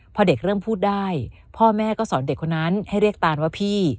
พอเด็กเริ่มพูดได้พ่อแม่ก็สอนเด็กคนนั้นให้เรียกตานว่าพี่